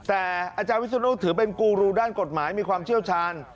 แต่อาจารย์วิศนุถือเป็นกูรูด้านกฎหมายมีความเชี่ยวชาญ